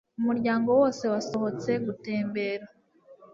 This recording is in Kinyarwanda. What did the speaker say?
Umuryango wose wasohotse gutembera.